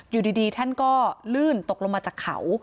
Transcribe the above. อยู่ดีท่านก็ลื่นตกลงมาจากเขา